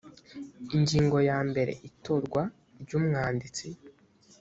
ingingo yambere itorwa ry umwanditsi